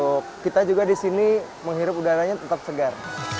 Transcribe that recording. untuk kita juga di sini menghirup udaranya tetap segar